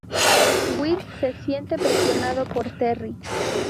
Will se siente presionado por Terri.